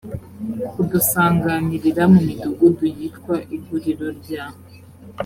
kudusanganirira mu midugudu yitwa iguriro rya